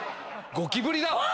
ゴキブリだわ。